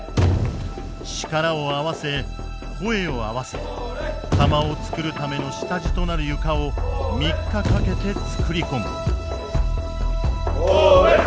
力を合わせ声を合わせ釜をつくるための下地となる床を３日かけてつくり込む。